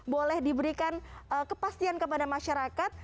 boleh diberikan kepastian kepada masyarakat